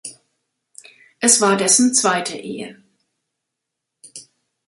Es war dessen zweite Ehe.